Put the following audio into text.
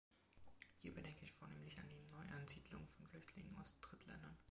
Hierbei denke ich vornehmlich an die Neuansiedlung von Flüchtlingen aus Drittländern.